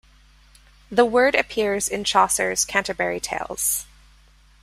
The word appears in Chaucer's "Canterbury Tales".